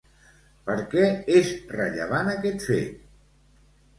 Per què és rellevant aquest fet?